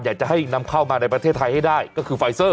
อยากจะให้นำเข้ามาในประเทศไทยให้ได้ก็คือไฟเซอร์